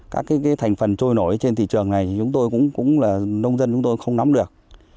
các cái thành phần trôi nổi trên thị trường này thì chúng tôi cũng là nông dân chúng tôi không nắm được